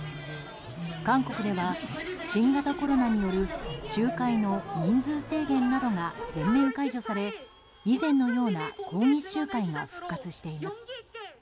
韓国では新型コロナによる集会の人数制限などが全面解除され、以前のような抗議集会が復活しています。